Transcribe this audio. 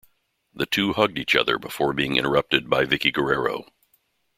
The two hugged each other before being interrupted by Vickie Guerrero.